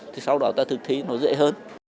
thì sau đó ta thực thí nó dễ hơn